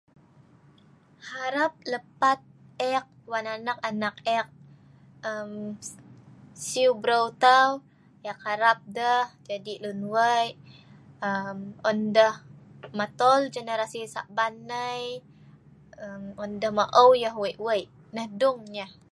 harap lepat eek wan anak anak eek umm siu breu tau, eek harap deh jadi lun wei' urmm on deh matol generasi Sa'ban nai err on deh ma'eu yah wei' wei' nah dung nyeh'